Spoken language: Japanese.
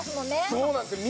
そうなんですよ。